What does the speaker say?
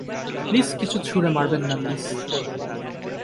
Please কিছু ছুড়ে মারবেন না, মিস।